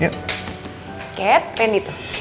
kak rendy tuh